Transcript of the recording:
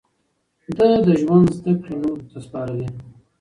ده د ژوند زده کړې نورو ته سپارلې.